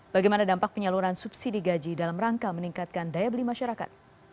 bagaimana dampak penyaluran subsidi gaji dalam rangka meningkatkan daya beli masyarakat